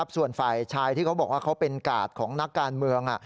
ส่วนฝ่ายชายที่เขาบอกว่าเขาเป็นกาดของนักการเมือง